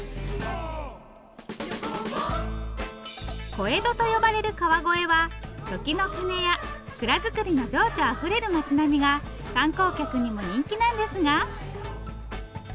小江戸と呼ばれる川越は時の鐘や蔵造りの情緒あふれる町並みが観光客にも人気なんですが。